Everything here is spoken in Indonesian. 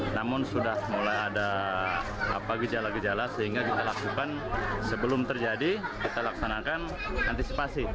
namun sudah mulai ada gejala gejala sehingga kita lakukan sebelum terjadi kita laksanakan antisipasi